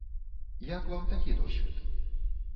Як вам такі досвед?